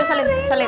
salim dulu salim